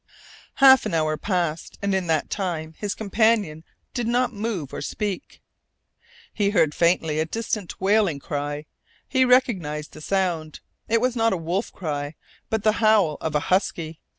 Half an hour passed, and in that time his companion did not move or speak. He heard faintly a distant wailing cry. He recognized the sound. It was not a wolf cry, but the howl of a husky.